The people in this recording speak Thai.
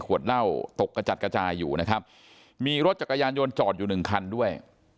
เหล้าตกกระจัดกระจายอยู่นะครับมีรถจักรยานยนต์จอดอยู่หนึ่งคันด้วย